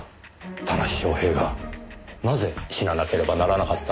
田無昌平がなぜ死ななければならなかったのか。